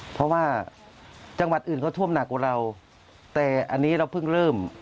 เพราะว่าจังหวัดอื่นเขาท่วมหนักกว่าเราแต่อันนี้เราเพิ่งเริ่ม